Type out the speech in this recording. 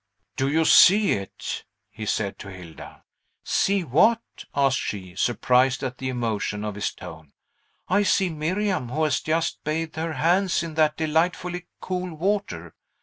"Do you see it?" he said to Hilda. "See what?" asked she, surprised at the emotion of his tone. "I see Miriam, who has just bathed her hands in that delightfully cool water.